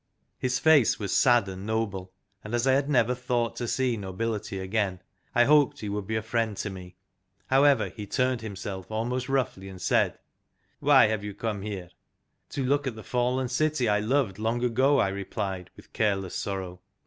His face was sad and noble, and as I had never thought to see nobility again, I hoped he would be a friend to me. However, he turned himself almost roughly, and said: " Why have you come here? " "To look at the fallen city I loved long ago," I replied, with careless sorrow.